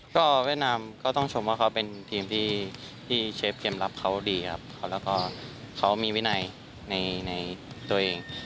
ก็เวียดนามก็ต้องชมว่าเขาเป็นทีมที่เชฟเกมรับเขาดีครับแล้วก็เขามีวินัยในตัวเอง